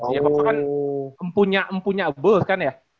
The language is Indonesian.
ya papa kan empunya empunya bos kan ya